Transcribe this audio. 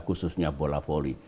khususnya bola foli